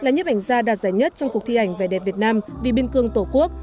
nhiếp ảnh gia đạt giải nhất trong cuộc thi ảnh về đẹp việt nam vì biên cương tổ quốc